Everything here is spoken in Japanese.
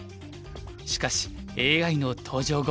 しかしＡＩの登場後。